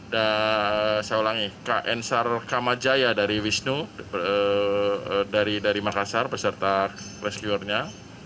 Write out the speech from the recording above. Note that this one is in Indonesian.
dan saya ulangi kn sar kamajaya dari wisnu dari makassar beserta rescuernya